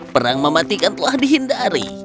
perang mematikan telah dihindari